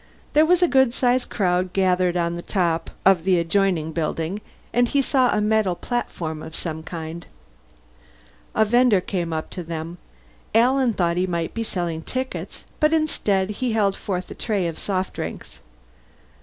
There was a good sized crowd gathered on the top of the adjoining building, and he saw a metal platform of some kind. A vender came up to them. Alan thought he might be selling tickets, but instead he held forth a tray of soft drinks.